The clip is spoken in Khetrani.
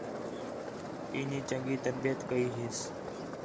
اینی چنڳی تربیت کَئی ہِس